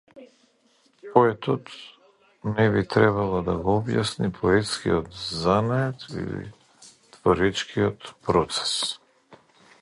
Поетот не би требал да го објаснува поетскиот занает или творечкиот процес.